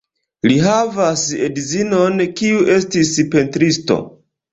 Li havas edzinon, kiu estis pentristo.